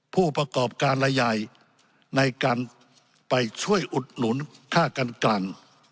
ผู้ประกอบการรายใหญ่ในการไปช่วยอุดหนุนค่ากันกลาง